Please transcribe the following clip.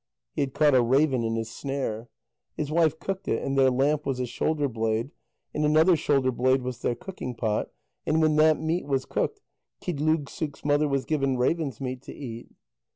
He had caught a raven in his snare. His wife cooked it, and their lamp was a shoulder blade, and another shoulder blade was their cooking pot, and when that meat was cooked, Qigdlugsuk's mother was given raven's meat to eat.